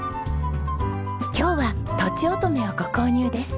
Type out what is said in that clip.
今日はとちおとめをご購入です。